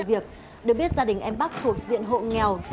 việc được biết gia đình em bắc thuộc diện hộ nghèo